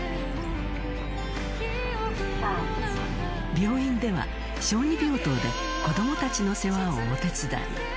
病院では、小児病棟で子どもたちの世話をお手伝い。